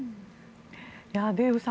デーブさん